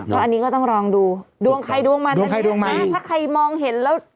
แล้วอันนี้ก็ต้องลองดูดวงใครดวงมาดวงใครดวงมาใช่ถ้าใครมองเห็นแล้ว